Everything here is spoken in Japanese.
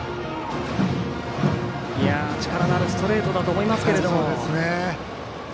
力のあるストレートだと思いますが。